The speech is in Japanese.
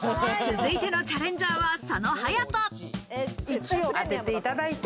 続いてのチャレンジャーは佐野勇斗。